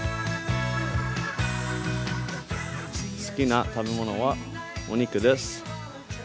好きな食べ物は、お肉です。